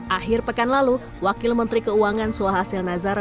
akhir pekan lalu wakil menteri keuangan suhasil nazara